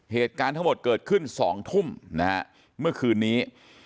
เหตุการณ์ทั้งหมดเกิดขึ้น๒ทุ่มนะฮะเมื่อคืนนี้